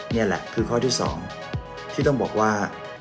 นี่แหละคือข้อที่๒ที่ต้องบอกว่า